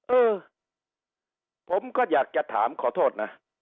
เออผมก็อยากจะถามขอโทษนะ